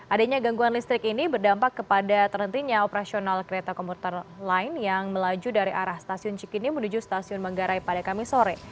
adanya gangguan listrik ini berdampak kepada terhentinya operasional kereta komuter lain yang melaju dari arah stasiun cikini menuju stasiun manggarai pada kamis sore